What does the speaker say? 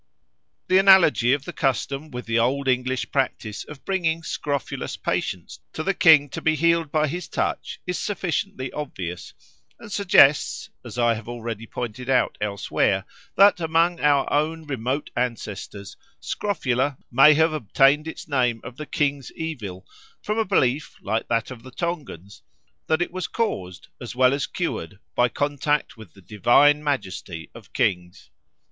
The analogy of the custom with the old English practice of bringing scrofulous patients to the king to be healed by his touch is sufficiently obvious, and suggests, as I have already pointed out elsewhere, that among our own remote ancestors scrofula may have obtained its name of the King's Evil, from a belief, like that of the Tongans, that it was caused as well as cured by contact with the divine majesty of kings.